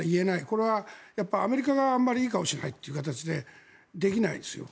これはアメリカがあまりいい顔をしないという形でできないですよ。